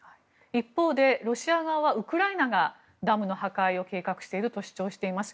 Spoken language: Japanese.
一方でロシア側はウクライナがダムの破壊を計画していると主張しています。